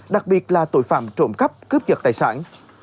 đặc biệt là tội phạm trộm cắp cướp giật tài sản